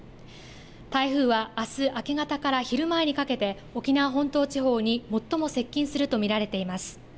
台風はあす明け方から昼前にかけて沖縄本島地方に最も接近すると見られています。